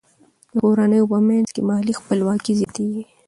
د کورنیو په منځ کې مالي خپلواکي زیاتیږي.